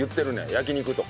焼き肉とか。